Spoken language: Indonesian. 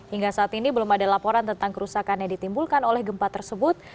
hingga saat ini belum ada laporan tentang kerusakan yang ditimbulkan oleh gempa tersebut